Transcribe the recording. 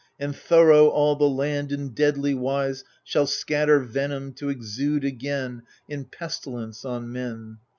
— And thorough all the land in deadly wise Shall scatter venom, to exude again In pestilence on men.